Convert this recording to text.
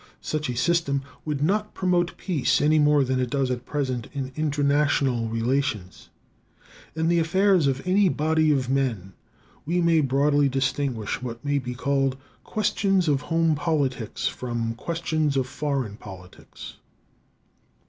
Such a system would not promote peace, any more than it does at present in international relations. In the affairs of any body of men, we may broadly distinguish what may be called questions of home politics from questions of foreign politics.